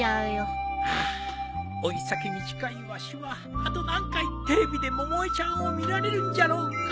ああ老い先短いわしはあと何回テレビで百恵ちゃんを見られるんじゃろうか。